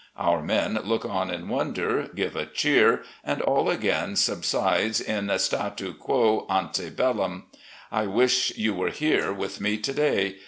Our men look on in wonder, give a cheer, and all again subsides in statu quo anie bellum. I wish you were here with me to day.